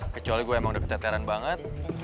kecuali gue emang udah keteteran banget